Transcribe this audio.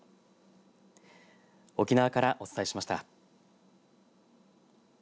沖縄からお伝えしました。